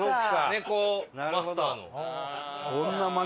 猫マスターの。